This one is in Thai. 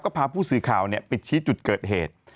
ก็พาผู้สื่อข่าวไปชี้จุดเกิดเหตุ